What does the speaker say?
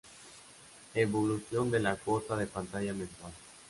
Evolución de la cuota de pantalla mensual.